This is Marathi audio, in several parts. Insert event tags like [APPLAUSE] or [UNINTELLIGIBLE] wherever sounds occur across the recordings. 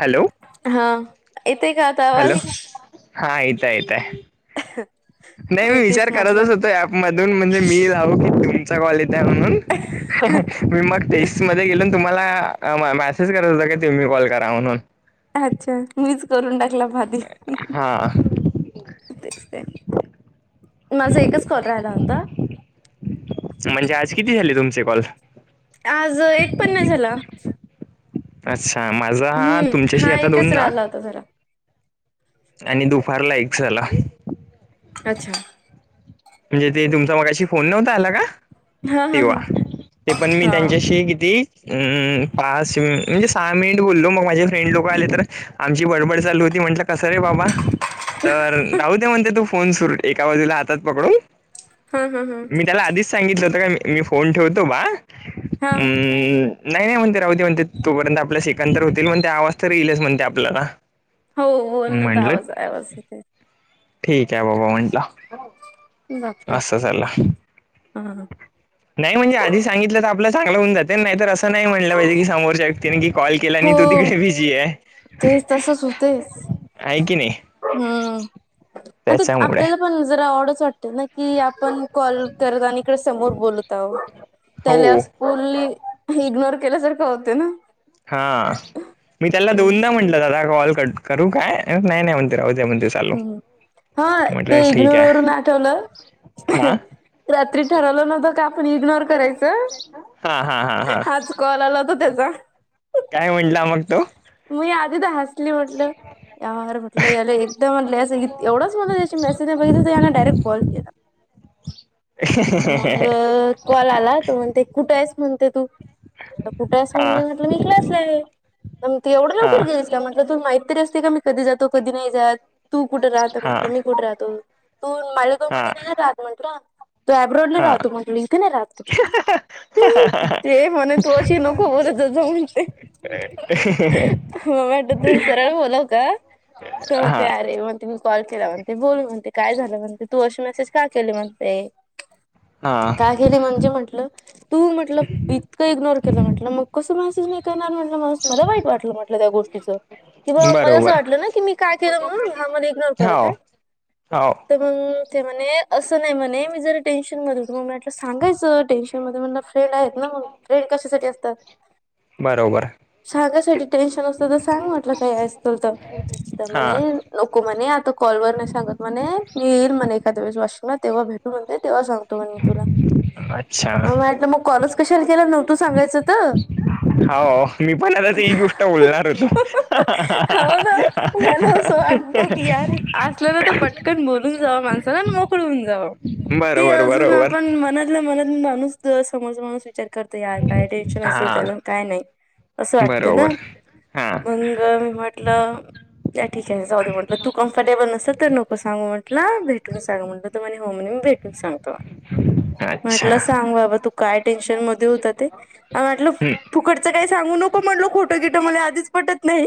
हॅलो हा येतोय का आता हॅलो आवाज हा येत येतय ह नाही मी विचार करतच होतो ऍपमधून म्हणजे मी लावू की तुमचा कॉल येत आहे म्हणून हा मी मग टेस्ट मध्ये गेलो तुम्हाला मेसेज करत होत की तुम्ही कॉल करा म्हणून अच्छा मीच करून टाकला भाती हा तेच ते माझा एकच कॉल राहिला होता म्हणजे आज किती झाले तुमचे कॉल आज एक पनण नाही झाला अच्छा माझा हा हम्म तुमच्याशी हा आता दोन एकच ना राहिला जरा आणि दुपारला एक झाला अच्छा म्हणजे ते तुमचा मगाशी फोन नव्हता आला का हा हा तेव्हा हा ते पण मी हा त्यांच्याशी किती हम्म पाच मि म्हणजे सहा मिनिट बोललो मग माझे फ्रेंड लोक आले तर आमची बडबड चालू होती म्हटलं कसं रे बाबा तर राहू ते म्हणते तू फोन सुरू एका बाजूला हातात पकडून हा हा हा मी त्याला आधीच सांगितलं होतं का मी फोन ठेवतो बा हम हा नाही नाही म्हणते राहते म्हणते तोपर्यंत आपल्या शेकर होतील म्हण ते आवाज तर येईलच म्हणते आपल्याला हो हो न तर म्हटलं आवाज आहे आवाज इथे ठीक आहे बाबा म्हटलं जात हम नाही म्हणजे आधी सांगितलं तर आपला चांगला होऊन जाते नाही तर असं नाही म्हटलं पाहिजे की समोरच्या व्यक्तीनी की कॉल केला हो आणि तू तिकडे बिजी आहे तेच तसच होतेच आहे की नाही हम्म ते त्याच्यामुळे आपल्याला पण जरा वडच वाटत ना कि आपण कॉल करत आणि इकडे समोर बोलत त्याला हो फल्ली इग्नोर केल्यासारखं होते ना हा मी त्याला दोनदा हम्म म्हंटलं दादा कॉल कर करू काय नाही नाही म्हणते राह द्या म्हण ह् हा ते इग्नोर वून आठवलं हाना रात्री ठरवलं नव्हतं का आपण इग्नोर करायचं हा हा हा हा हाज कॉल आला होता दझ काय म्हटला मग तो मी आधी तर हसली म्हटलं यार म्हटलं याला एकदम म्हट एवढंच म्हटलं त्याची मेसेज नाही बघित तर याने डायरेक्ट कॉल केला [UNINTELLIGIBLE] तर मग ह कॉल आला तो म्हणते कुठे आहेस म्हणते तू कुठे आहेस हा म्हणजे म्हटलं म कलासला आहे मग त एवढं हा लवकर गेलीस का म्हटलं तू माहीत तरी असते का मी कधी जातो कधी नाही जात तू कुठे राहत हा म्हण मी कुठे राहतो तू माळेगाव हा मध्ये नाही ना राहत म्हणत त एऍब्रोडला हा राहतो म्हट लिथे ना राहतो ते म्हणे तू अशी नको बरच ज म्हते हे हे म वाट तू सरळ बोलाव का त हा तर आहे म तु कॉल केला म्हणते बोलू म्हणते काय झालं म्हणते तू अशी मेसेज का केली म्हणते हा काय? गेले म्हणजे म्हटलं तू म्हटलं इतकं इग्नोर केलं म्हटलं मग कसं मेसेज नाही करणार म्हटलं मला वाईट वाटलं म्हटलं त्या गोष्टीचं किंवा मला असं बरोबर वाटलं ना की मी काय केलं म्हणून हा मला इग्नोर हो करत आहे हो तर मग ते म्हणे असं नाही म्हणे मी जर टेन्शन मध्ये होत मग म्हटलं सांगायचं टेन्शन त्याच्यामध्ये मला फ्रेंड आहेत ना मग फ्रेंड कशासाठी असतात बरोबर. सांगासाठी टेन्शन असतं तर सांग म्हटलं काय असत तर तर हा म्हणे नको म्हणे आता कॉलवर नाही सांगत म्हणे मी येईल म्हणे एखाद्या वळेस व वाशिमला तेव्हा भेटून म्हणते तेव्हा सांगत तुला अच्छा म्हटलं मग कॉलच कशाला केला नव्हतू सांगायचं तर हो मी पण आता ते ह गोष्ट बोलणार होतो हो ना मला असं वाटतं की यार असलेला तर पटकन बोलून जावं माणसाला मोकळून जावं ते बरोबर अजून बरोबर आपण म्ह आपल्या मनात माणूस समज माणूस विचार करत यार काय टेन्शन असेल हा त्याला काय नाही असं वाटते ना बरोबर हा मंग मी म्हटलं या ठीक आहे जाऊ दे म्हटलं तू कम्फर्टेबल नसेल तर नको सांगूटला भेटून सांग म्हटलं तणे हो म्हणे मी भेट सांगतो. अच्छा म्हटलं हम्म. सांग बाबा तू काय टेन्शन मध्ये होत ते म्हटलं फुकट त्या काही सांगू नको म्हणलो खोट गिट मले आधीच पटत नाही.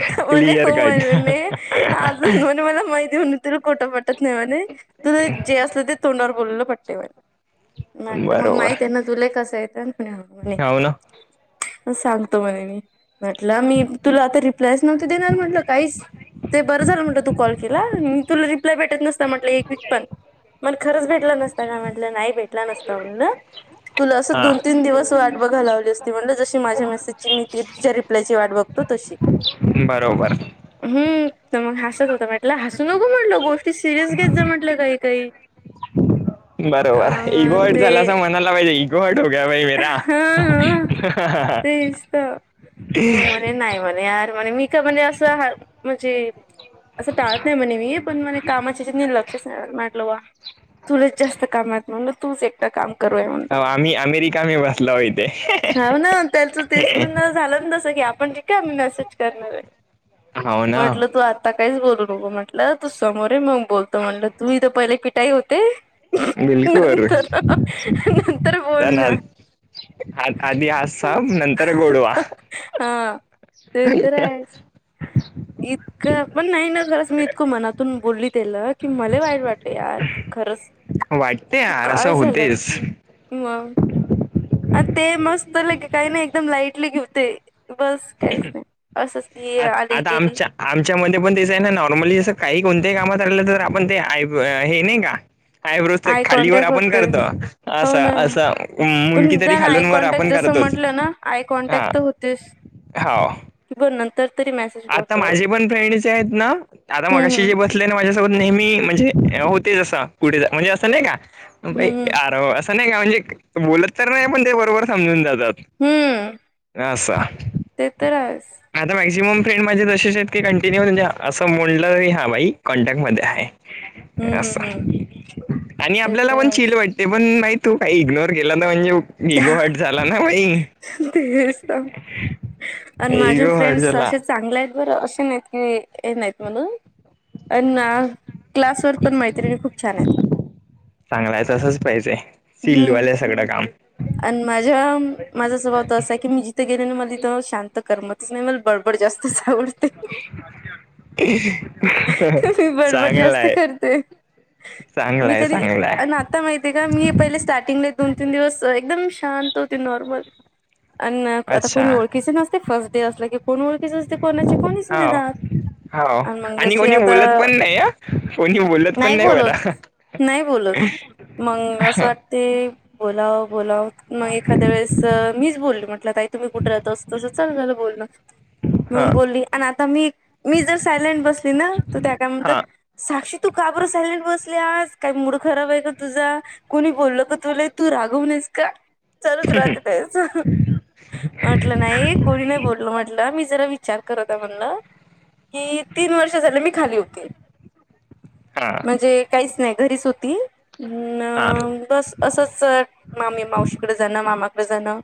त म्हणे क्लिअर हो कट म्हणे अजून म्हणे मला माहिती होन तुला खोट पटत नाही म्हणे तुझ जे असलं ते तोंडावर बोललेलं पटतें म्हणे म्हटलं मग बरोबर माहित आहे ना तुले कस येत म्हणे हा म्हणे हो ना सांगतो म्हणे मी म्हटलं मी तुला आता रिप्लायच नव्हते देणार म्हंटलं काहीच ते बरं झालं म्हटलं तू कॉल केला मी तुला रिप्लाय भेटत नसता म्हटलं एक वीक पण पण खरंच भेटला नसता काय म्हटलं नाही भेटला नसता म्हणलं तुला असं हा दोन तीन दिवस वाट बघा लावली असती म्हण जशी माझ्या मेसेजची मी या रिप्लायची वाट बघतो तशी बरोबर. हम्म तर मग हसत होत म्हटलं हसू नको म्हटल गोष्टी सिरियस घेत जा म्हटलं काही-काही [INAUDIBLE] बरोबर इगो हार्ट झाला अस म्हणाला पाहिजे इगो हार्ट भाई हा मेरा हा [UNINTELLIGIBLE] मंग म्हणे नाही म्हणे यार मी म्हणे असं म्हणजे असं टाळत नाही म्हणे मी पण म्हणे कामाच्या [UNINTELLIGIBLE] म्हटलं वा तुला जास्त काम आहे म्हटलं तूच एकटा काम कर म्हटलं हो आम्ही अमेरिका मे बसला होत हाव ना त्याचं तेच म्हणं झालं तसं की आपण रिकाम मेसेज करणार आहे हो ना म्हटलं तू आता काहीच बोलू नको म्हटलं तू समोरे ये मग बोलतो म्हणलं तू इथ पहिले पिठाई होते बिलकुल बरोबर नंतर नंतर बोल [UNINTELLIGIBLE] ना. आ आधी हजसा नंतर गोडवा हा ते तर [UNINTELLIGIBLE] आहेच. [UNINTELLIGIBLE] पण नाही ना खरंच मी इतकं मनातून बोलली त्याला की मले वाईट वाटत यार खरंच वाटते की यार असं काय झालं होतेच मग अ ते मस्त ले काही नाही एकदम लाईटली घेऊते बस काहीच नाही असंच ती आ- आली आता गेली आमच्या आमच्यामध्ये पण तेचयना, नॉर्मली जसं काही कोणत्याही कामात राहिलं तर आपणआय प ते, हे नाही का? आयब्रोज ते आय खालीवर कॉन्टॅक्ट आपण करतो. होतेच हो असा, ना असं मुनकी तरी निदान आय खालूनवर कॉन्टॅक्ट आपण जसं करतोच. म्हटलं ना, आय कॉन्टॅक्ट तर होतेच. हा. [UNINTELLIGIBLE] तर तरी मॅसे आता माझे पण फ्रेंडचे आहेत ना? आता हम्म मगाशी हम्म जे बस [UNINTELLIGIBLE] माझ्यासोबत नेहमी म्हणजे होते असं कुठे, म्हणजे असं नाही का? हम्म बाई हम्म प्यार हो असं. नाही का म्हणजे, बोलत तर नाही पण ते बरोबर समजून जातात. हम्म अस ते तर आहेच आता मॅक्झिमम फ्रेंड माझे तसेच आहेत की कंटिन्यू म्हणजे असं म्हटलं तरी हा भाई कॉन्टॅक्ट मध्ये आहे हम्म अस हम्म हम्म आणि ते आपल्याला तर पण चिल आहेच वाट ते पण भाई तू काही इग्नोर केला तर म्हणजे इगो हट झाला ना भाई तेच त आणि माझे इगो हट फ्रेंड्स झाला असे चांगले आहेत बरं असे नाहीत. हे, हे नाहीत म्हणून, अण्णा. क्लास वर पण मैत्रिणी खूप छानयता. चांगला आहे तसंच पाहिजे. सिल्डवाल आहे सगळं काम. आण माझ्या, माझा स्वभाव त असाय की, मी जि गेल्याने मला तीथ शांत करमतच नाही, मला बडबड जास्तच आवडते. मी बडबड जास्त चांगलय. करते. मी चांगलंय, कधी चांगलंय. आणि आता माहिती का, मी पहिले स्टार्टिंगला दोन तीन दिवस एकदम शांत होते, नॉर्मल. अन आता अच्छा कुणी ओळखीचे नसतय, फर्स्ट डे असलं की कोण ओळखीच असते कोणाचे? कोणीच नाही हो राहत. हो मग आणि जशी कोणी आता बोलत पण नाही आ, कोणी बोलत पण नाही मला. नाही बोलत. मग असं वाटते, बोलाव बोलाव. मग एखाद्या वेळेस मीच बोलल म्हटलं, ताई तुम्ही कुठे राहता? असं तसं चालू झालं बोलणं. हा मग बोलली आणि आता मी, मी जर सायलेंट बसली ना तर त्या काय म्हणतात हा साक्षी, तू का बर सायलेंट बसली आज? काही मूड खराब आहे का तुझा? कोणी बोललं का तुला? तू रागवूनस का? चालूच राहते त्यांचं. म्हटलं नाही, कोणी नाही बोलल म्हटलं. मी जरा विचार करत म्हणलं. ही तीन वर्ष झाली मी खाली होते. हा. म्हणजे काहीच नाही घरीच होती. अ हा बस असंच मामीमावशीकडे जाणं, मामाकडे जाणं,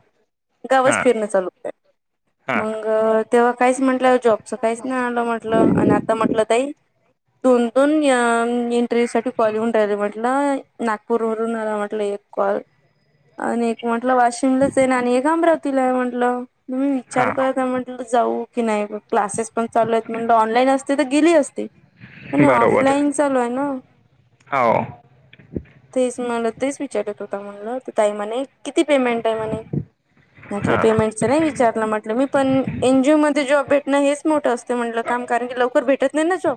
गावच हा फिरणं चालू होतं. हा मंग अ तेव्हा काहीच म्हटलं, जॉबचं काहीच नाही आलं म्हटलं अन आता म्हटलं ताई, दोन - दोन अ एंटरवू साठी कॉल येऊन राहिले म्हटलं. नागपूर वरून आला म्हटलं एक कॉल. अन एक म्हटलं वाशिमलाचय आणि एक अमरावतीलाय म्हटलं. मी विचार हा करत नाय म्हट जाऊ की नाही. क्लासेस पण चालू आहेत म्हटलं ऑनलाईन असते तर गेली असते. आणि बरोबर ऑफलाईन चालू आहे ना. हो तेच मला तेच, विचारत होता मनल ताई म्हणे, किती पेमेंटय म्हणे? म्हटलं हा पेमेंटचं नाही विचारलं म्हटलं मी. पण एनजीओ मध्ये जॉब भेटणं, हेच मोठं असते म्हनलं. काम. कारण की लवकर भेटत नाही ना जॉब.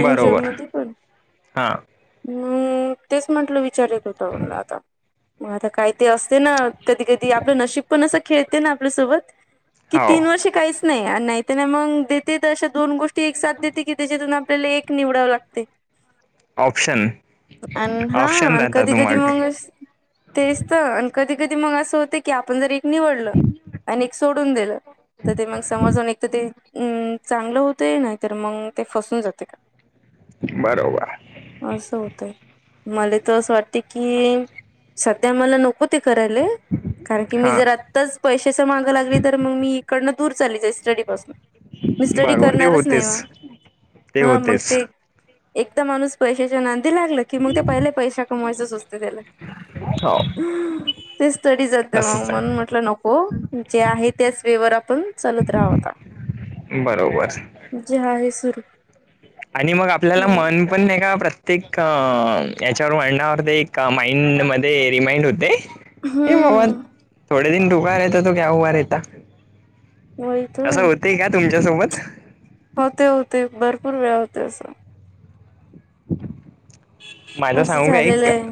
एन जी ओ बरोबर मध्ये पण हा हम, तेच म्हटलं विचार येत होता म्हनल आता. मग आता काय ते असते ना, कधी - कधी आपलं नशीब पण असं खेळते ना, आपल्यासोबत. कि हो तीन वर्ष काहीस नाही. नाही तर नाही, मग देते तर अशा दोन गोष्टी एक साथ देते की, त्याच्यातून आपल्याला एक निवडावं लागतय. ऑप्शन अन हा, ऑप्शन आण कधी राहतात कधी मग अस तेच तर. आणि कधी- कधी मग असं होत की, आपण जरी निवडलं आणि एक सोडून दिलं तर ते मग समजऊन एक तर ते अम् चांगलं होतय नाहीतर मग ते फसून जातय. बरोबर असं होतय मला त असं वाटतय की सध्या मला नको ते करायले कारण की मी हा जर आ च पैशाच्या मागं लागली तर मग मी इकडनं दूर चाललीच आहे स्टडी पासून मी स्टडी बरोबर ते करणारच नाही वा होतेच ते हा मग होतेच ते एकदा माणूस पैशाच्या नांदी लागला की मग ते पहिले पैशा कमावायचच असते त्याला. हो [UNINTELLIGIBLE] ते स्टडी जात मग, तसच म्हणून आहे म्हटलं नको. जे आहे त्याच वेवर ण चालत राहा आता. बरोबर जे आहे सुर आणि मग आपल्याला मन पण नाही का? प्रत्येक आ याच्यावर [UNINTELLIGIBLE] वर ते एका माइंड मध्ये रिमाइंड होते. हे बाबा हम्म थोडे दिन रुका रेहता तो क्या हुआ रेहता. वहितो ते का तुमच्यासोबत होते होते भरपूर वेळ होते असं माझा असं सांगू का झालेलं एक आहे.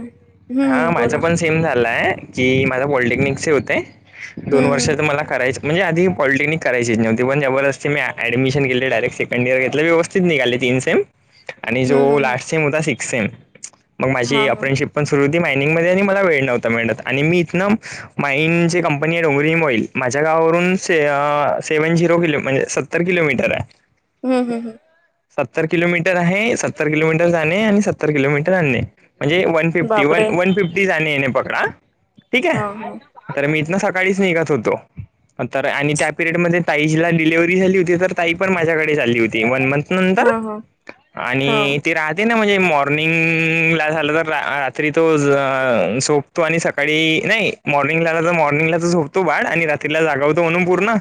हा हम्म बोला. माझं पण झालाय की माझ पॉलटेक्निक होते दोन वर्ष हम्म, तर मला करायच म्हणज आधी पॉलटेनिक करायचच नवती पण जबरस् मी ऍडमिशन केले डायरेक्ट सेकंड इयर घेतले व्यवस सि निकाली तीन सेम हम्म, तो हम्म, हम्म. लास्ट सीम होता् सिक्स सेम मग माझी हां, हां. अप्रेनशिप पण सुरुवाती मायनिंगमध्ये आणि मला वेळ नव्हता मिळत आणि मी इथन माइन ची कंपनी आहे [UNINTELLIGIBLE] माझ्या गावावरून से सेव्हन झिरो किलो म्हणजे सत्तर किलोमीटर आहे. हम् हम हं सत्तर किलोमीटर आहे सत्तर किलोमीटर जाणे आणि सत्तर किलोमीटर आणणे म्हणजे वन फिफ्टी वन बापरे! वन फिफ्टी जाणे येणे पकडा हा ठीक हां, आहे हां. तर मी इथंन सकाळीच निघत होतो. तर आणि त्या पिरियडमध्ये ताईला डिलिव्हरी झाली होती तर ताई पण माझ्याकडेच आली होती वन मंथ. नंतर हां, हां. आणि हां. ते रा ते ना म्हणजे मॉर्निंग ला झालं तर रात्री तो सोपतो आणि सकाळी नाही. मॉर्निंगला तर मॉर्निंगला तर झोपतो बाळ आणि रात्रीला जागावतो म्हणून पूर्ण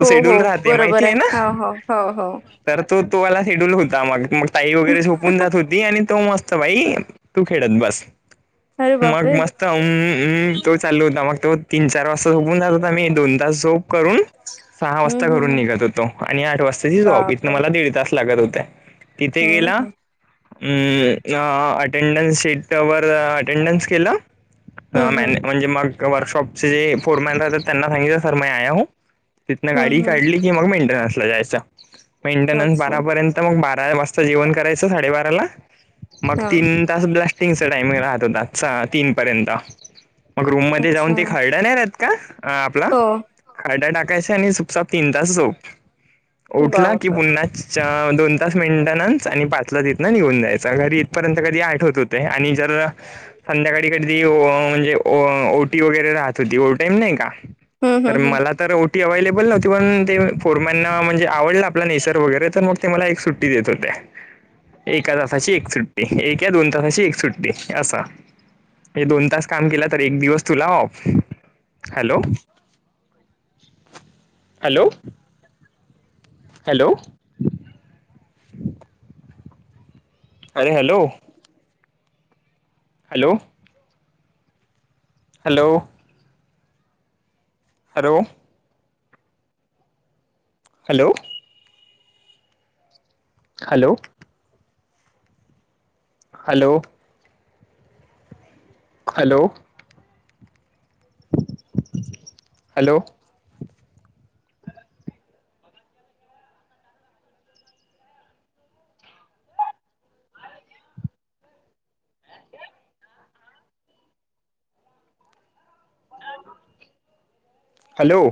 तो हो हो शेड्यूल राहते बरोबर माहिती आहे हो ना हो हो हो तर तो तोवाला हेडूल होता मग मग ताई वगैरे झोपून जात होती आणि तो मस्त भाई तू खेळत बस अरे मग बापरे! मस्त म म तर तो चालू होता मग तो तीन चार वाजता झोपून जात होता मग मी दोन तास झोप करून सहा हं, वाजता हं, घरून हं. निघत होतो आणि आठ वाजताची जॉब इथनं बापरे! मला दीड तास लागत होते. तिथे हं, गेला हं. अटेंडन्स शीट वर अटेंडन्स केलं. अ हं, मॅन हं. म्हणजे मग वर्कशॉपचे जे फोरमॅन राहतात त्यांना सांगितलं सर मे आया हु तिथन हं, गाडी हं. काढली की मग मेंटेनन्स ला जायचं मेंटेनन्स अच्छा. भरा पर्यंत मग मस्त जेवण करायच साडेबाराला मग हां. तीन तास ब्लास्टिंगच टाइमिंग राहत होता स तीन पर्यंत. मग रूम मध्ये जाऊन अच्छा. ते [UNINTELLIGIBLE] का आपला. हो. खाडा टाकायच्या आणि सुपसाप तीन तास झोप उठला की बापरे! पुन्हा च दोन तास मीनटनन्स आणि पाचला तिथन निघून जायचं घरी इथपर्यंत कधी आठ होत होते आणि जर संध्याकाळी कधी ओ म्हणजे ओटी वगैरे राहत होती ओव्हरटाईम नाई का हं, तर हं, हं. मला तर ओ टी अवलेबल नव्हती पण ते फोरमॅन म्हणेवडला आपला नैसर वगैरे तर मग तेला एक सुट ी देत होते. एका तासाची एक सुट्टी एक या दोन तासाची एक सुट्टी असा. हे दोन तास काम केलं तर एक दिवस तुला ऑफ हॅलो. ह. हॅलो. हॅलो. अरे hello. Hello. Hello. Hello. Hello. Hello. Hello. Hello. Hello. Hello.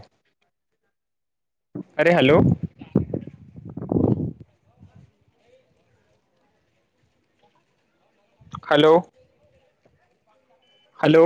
अरे हॅलो. हॅलो. हॅलो.